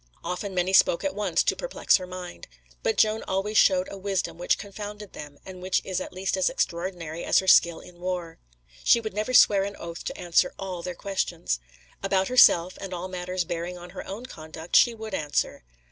Often many spoke at once, to perplex her mind. But Joan always showed a wisdom which confounded them, and which is at least as extraordinary as her skill in war. She would never swear an oath to answer all their questions. About herself, and all matters bearing on her own conduct, she would answer.